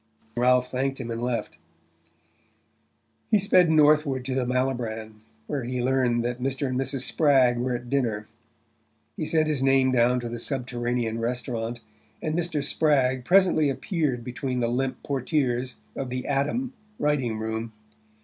Ralph thanked him and left. He sped northward to the Malibran, where he learned that Mr. and Mrs. Spragg were at dinner. He sent his name down to the subterranean restaurant, and Mr. Spragg presently appeared between the limp portieres of the "Adam" writing room.